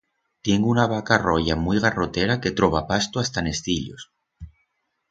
Tiengo una vaca roya muit garrotera que troba pasto hasta en es cillos.